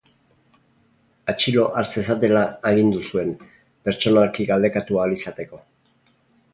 Atxilo har zezatela agindu zuen, pertsonalki galdekatu ahal izateko.